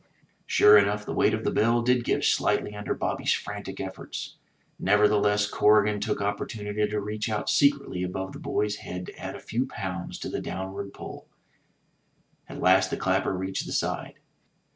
Sure enough, the weight of the bell did give slightly under Bobby's frantic efforts. Nevertheless, Corrigan took oppor tunity to reach out secretly above the boy's head to add a few poimds to the downward pull. At last the clapper reached the side.